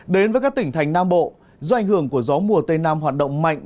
đến với các tỉnh thành nam bộ do ảnh hưởng của gió mùa tây nam hoạt động mạnh